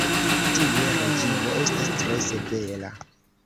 Tie reĝimo estas tre severa.